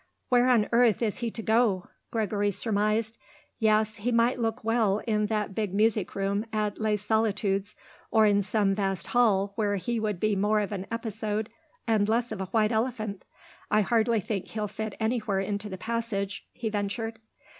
"Where on earth is he to go?" Gregory surmised. "Yes, he might look well in that big music room at Les Solitudes, or in some vast hall where he would be more of an episode and less of a white elephant. I hardly think he'll fit anywhere into the passage," he ventured.